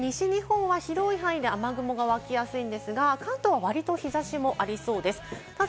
きょう西日本は広い範囲で雨雲が湧きやすいんですが、関東はわりと日差しもありそうです。